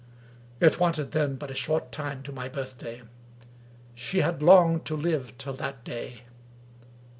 It wanted then but a short time to my birthday. She had longed to live till that day.